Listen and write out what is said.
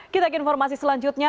kita ke informasi selanjutnya